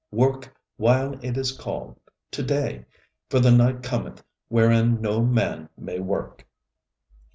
Work while it is called To day; for the Night cometh wherein no man may work.